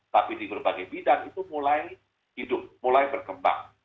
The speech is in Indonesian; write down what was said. tapi di berbagai bidang itu mulai hidup mulai berkembang